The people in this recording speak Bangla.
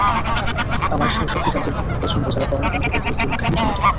আমার সেই সব টিচারদের খুব পছন্দ যারা পড়ানো বন্ধ করে তাদের জীবন কাহিনী শুনাতো।